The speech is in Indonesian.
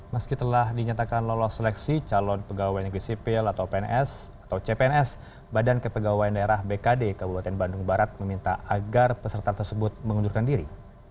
meski telah dinyatakan lolos seleksi calon pegawai negeri sipil atau pns atau cpns badan kepegawaian daerah bkd kabupaten bandung barat meminta agar peserta tersebut mengundurkan diri